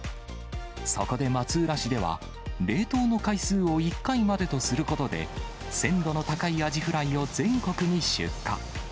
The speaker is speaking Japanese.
そこで松浦市では、冷凍の回数を１回までとすることで、鮮度の高いアジフライを全国に出荷。